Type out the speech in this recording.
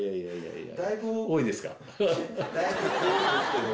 だいぶ多いですけど。